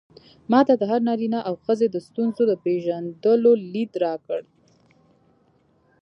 ما ته د هر نارينه او ښځې د ستونزو د پېژندو ليد راکړ.